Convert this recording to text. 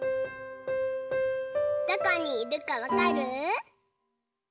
どこにいるかわかる？